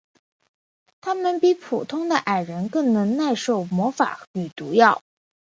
他们比普通的矮人更能耐受魔法与毒药。